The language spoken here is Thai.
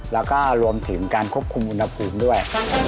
แล้วก็รวมถึงการควบคุมอุณหภูมิด้วย